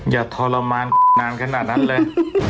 อย่าทรมานนานขนาดนั้นเลย